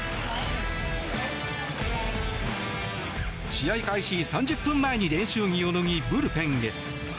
試合開始３０分前に練習着を脱ぎブルペンへ。